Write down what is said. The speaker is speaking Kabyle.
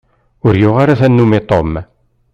Ur yuɣ ara tanumi Tom.